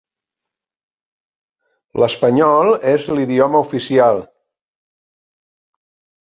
L'espanyol és l'idioma oficial.